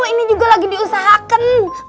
ini juga lagi diusahakan